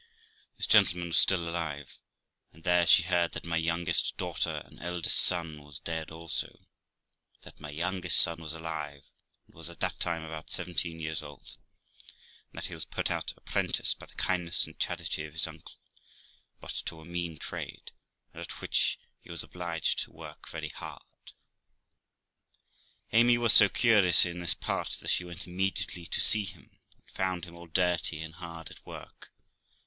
This gentleman was still alive ; and there she heard that my youngest daughter and eldest son was dead also ; but that my youngest son was alive, and was at that time about seventeen years old, and that he was put out apprentice by the kindness and charity of his uncle, but to a mean trade, and at which he was obliged to work very hard. Amy was so curious in this part that she went immediately to see him, and found him all dirty, and hard at work.